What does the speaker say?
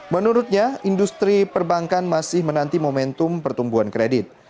menurutnya industri perbankan masih menanti momentum pertumbuhan kredit